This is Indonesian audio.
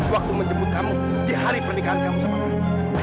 waktu menjemput kamu di hari pernikahan kamu sama aini